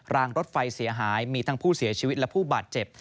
รางรถไฟเสียหายมีทั้งผู้เสียชีวิตและผู้บาดเจ็บ